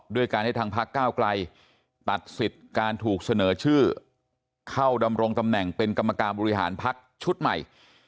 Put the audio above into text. ด้วยการให้ทางพักก้าวไกลตัดสิทธิ์การถูกเสนอชื่อเข้าดำรงตำแหน่งเป็นกรรมการบริหารพักชุดใหม่